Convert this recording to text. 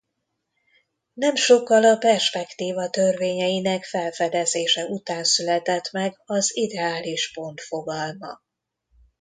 Nem sokkal a perspektíva törvényeinek felfedezése után született meg az ideális pont fogalma.